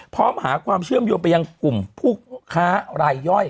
พร้อมหาความเชื่อมโยงไปยังกลุ่มผู้ค้ารายย่อย